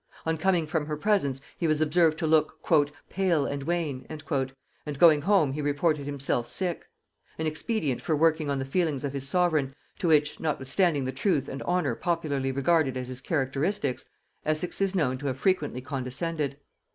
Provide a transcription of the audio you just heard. On coming from her presence he was observed to look "pale and wan," and going home he reported himself sick; an expedient for working on the feelings of his sovereign, to which, notwithstanding the truth and honor popularly regarded as his characteristics, Essex is known to have frequently condescended.